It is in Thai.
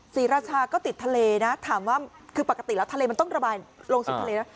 ศรีราชาก็ติดทะเลนะถามว่าคือปกติแล้วทะเลมันต้องระบายลงสู่ทะเลนะ